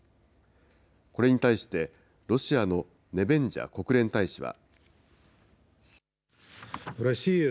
これに対して、ロシアのネベンジャ国連大使は。